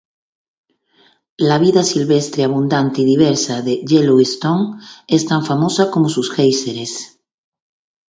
La vida silvestre abundante y diversa de Yellowstone es tan famosa como sus géiseres